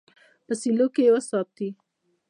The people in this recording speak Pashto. په سیلو کې یې وساتي.